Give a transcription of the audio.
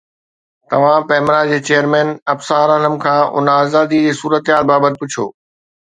توهان پيمرا جي چيئرمين ابصار عالم کان ان آزادي جي صورتحال بابت پڇو